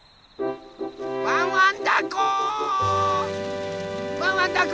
ワンワンだこ！